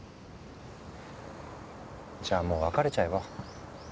じゃあもう別れちゃえば？